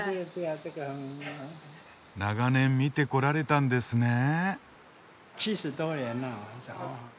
長年見てこられたんですねえ。